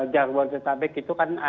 jargon tetabek itu kan